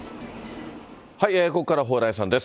ここからは蓬莱さんです。